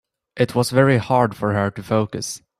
It was very hard for her to focus.